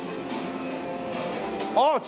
ああ！